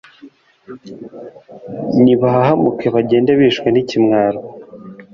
nibahahamuke bagende bishwe n’ikimwaro